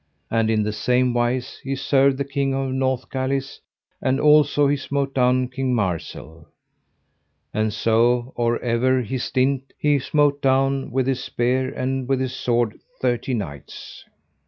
And in the same wise he served the King of Northgalis, and also he smote down King Marsil. And so or ever he stint he smote down with his spear and with his sword thirty knights.